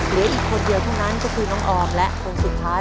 เหลืออีกคนเดียวเท่านั้นก็คือน้องออมและคนสุดท้าย